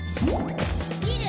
「みる！